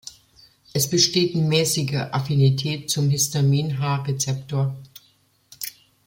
Es besteht mäßige Affinität zum Histamin-H-Rezeptor.